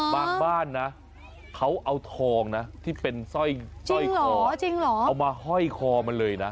บ้างบ้านเอาทองที่เป็นสร้อยด้วยคอเอามาห้อยคอมันเลย